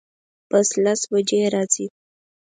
بس لس بجی راځي